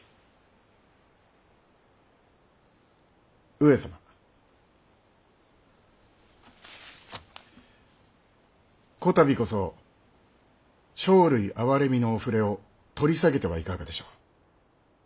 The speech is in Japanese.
上様こたびこそ生類憐みのお触れを取り下げてはいかがでしょう。